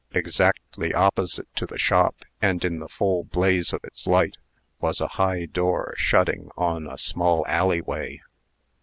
Exactly opposite to the shop, and in the full blaze of its light, was a high door shutting on a small alley way.